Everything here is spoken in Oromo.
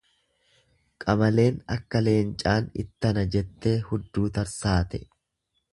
Qamaleen akka leencaan ittana jettee huddu tarsaate.